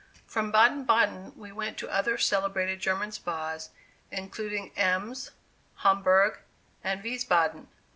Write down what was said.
From Baden Baden we went to other celebrated German Spas, including Ems, Homburg and Weisbaden.